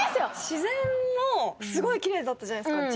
自然もすごいきれいだったじゃないですか